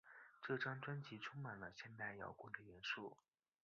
这张专辑充满了现代摇滚的元素。